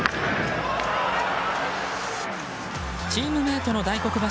チームメートの大黒柱